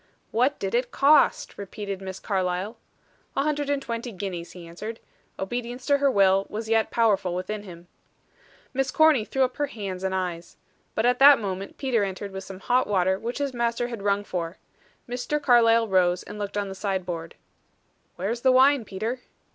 "What did it cost?" repeated Miss Carlyle. "A hundred and twenty guineas," he answered. Obedience to her will was yet powerful within him. Miss Corny threw up her hands and eyes. But at that moment Peter entered with some hot water which his master had rung for. Mr. Carlyle rose and looked on the side board. "Where is the wine, Peter?"